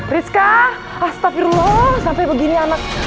rizka astafirullah sampai begini anak